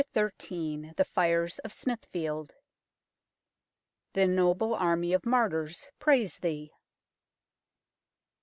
XIII THE FIRES OF SMITHFIELD " The noble army of Martyrs, praise Thee."